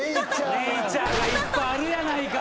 ネイチャーがいっぱいあるやないか。